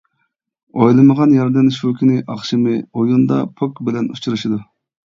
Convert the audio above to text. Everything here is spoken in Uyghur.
ئويلىمىغان يەردىن شۇ كۈنى ئاخشىمى ئويۇندا پوك بىلەن ئۇچرىشىدۇ.